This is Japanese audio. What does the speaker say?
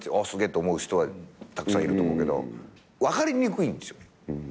すげえって思う人はたくさんいると思うけど分かりにくいんですよ。